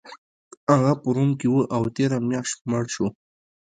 هغه په روم کې و او تیره میاشت مړ شو